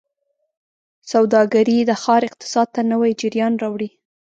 سوداګرۍ د ښار اقتصاد ته نوي جریان راوړي.